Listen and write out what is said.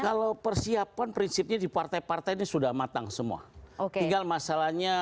kalau persiapan prinsipnya di partai partai ini sudah matang semua tinggal masalahnya